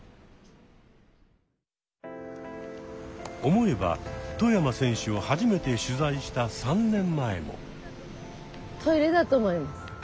思えば外山選手を初めて取材した３年前も。